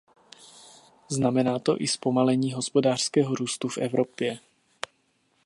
Znamená to i zpomalení hospodářského růstu v Evropě.